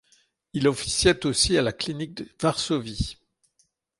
Il officiait aussi à la clinique Varsovie.